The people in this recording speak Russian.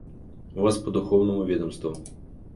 Вас по духовному ведомству.